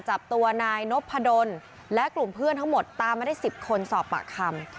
จับตัวนายนพดลและกลุ่มเพื่อนทั้งหมดตามมาได้๑๐คนสอบปากคำ